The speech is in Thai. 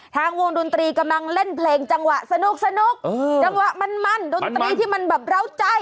ทางวงดนตรีกำลังเล่นเพลงจังหวะสนุกจังหวะมันดนตรีที่มันแบบเหล้าใจ